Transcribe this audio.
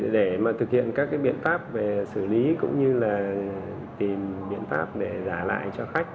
để thực hiện các biện pháp về xử lý cũng như là tìm biện pháp để giả lại cho khách